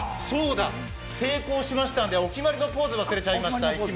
そうだ、成功しましたのでお決まりのポーズ忘れちゃいました。